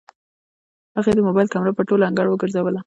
هغې د موبايل کمره په ټول انګړ وګرځوله.